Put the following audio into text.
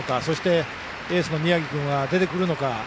そして、エースの宮城君は出てくるのか。